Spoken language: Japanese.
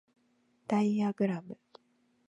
ダイアグラム